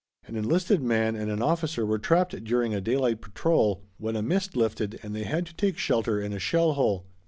An enlisted man and an officer were trapped during a daylight patrol when a mist lifted and they had to take shelter in a shell hole.